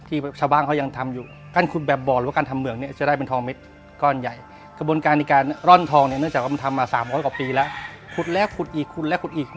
ทำมา๓๐๐กว่าปีแล้วขุดแรกขุดอีกขุดแรกขุดอีก